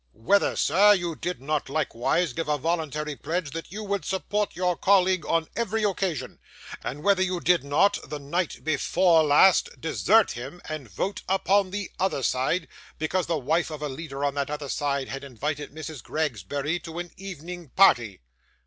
Whether, sir, you did not likewise give a voluntary pledge that you would support your colleague on every occasion; and whether you did not, the night before last, desert him and vote upon the other side, because the wife of a leader on that other side had invited Mrs. Gregsbury to an evening party?